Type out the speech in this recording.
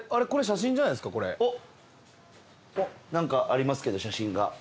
何かありますけど写真が。